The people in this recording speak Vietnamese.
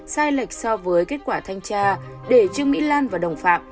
sai lệch so với kết quả thanh tra để trương mỹ lan và đồng phạm